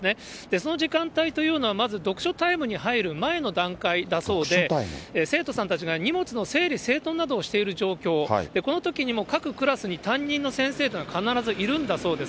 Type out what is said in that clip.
その時間帯というのは、まず読書タイムに入る前の段階だそうで、生徒さんたちが荷物の整理整頓などをしている状況、このときに、各クラスに担任の先生というのが必ずいるんだそうです。